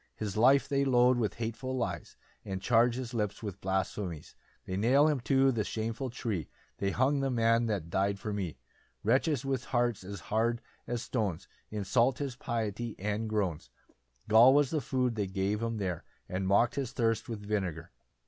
] 6 His life they load with hateful lies, And charge his lips with blasphemies; They nail him to the shameful tree: There hung the man that dy'd for me. 7 [Wretches with hearts as hard as stones, Insult his piety and groans; Gall was the food they gave him there, And mock'd his thirst with vinegar.